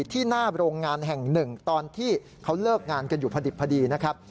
ที่หน้าโรงงานแห่งหนึ่งตอนที่เขาเลิกงานกันอยู่พอดิบพอดีนะครับ